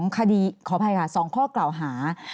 คดีขออภัยค่ะ๒ข้อกล่าวหา